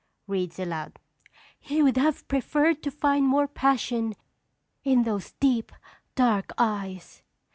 (Reads aloud.) "He would have preferred to find more passion in those deep, dark eyes.